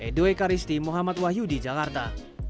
edwai karisti muhammad wahyu di jakarta